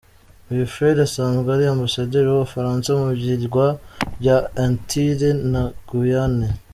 Uyu Fred asanzwe ari Ambasaderi w’u Bufaransa mu birwa bya Antilles na Guyane.